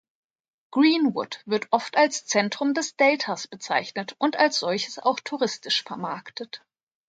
Greenwood wird oft als Zentrum des Deltas bezeichnet und als solches auch touristisch vermarktet.